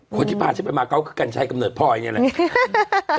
คนที่พาชิปไปมาเกาะก็กันใช้กำเนิดพ่ออย่างนี้แหละ